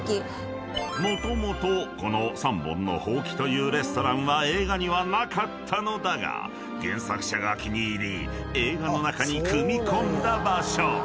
［もともとこの三本の箒というレストランは映画にはなかったのだが原作者が気に入り映画の中に組み込んだ場所］